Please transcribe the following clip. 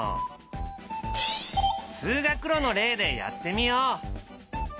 通学路の例でやってみよう。